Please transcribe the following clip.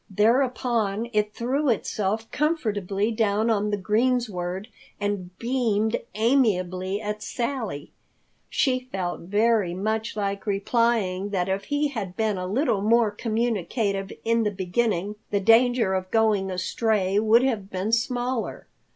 Thereupon it threw itself comfortably down on the greensward and beamed amiably at Sally. She felt very much like replying that if he had been a little more communicative in the beginning, the danger of going astray would have been smaller.